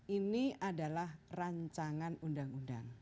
ini adalah rancangan undang undang